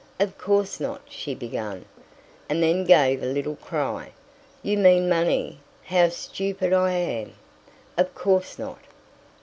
"Of course not," she began, and then gave a little cry. "You mean money. How stupid I am! Of course not!"